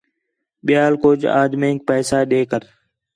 ٻِیال کُج آدمینک پیسہ ݙے کر